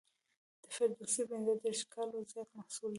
د فردوسي پنځه دېرش کالو زیار محصول دی.